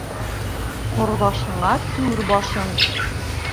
Ҡорҙашыңа түр башың.